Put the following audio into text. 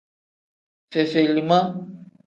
Fefelima.